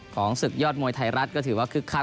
ศึกยอดมวยไทยรัฐก็ถือว่าคึกคัก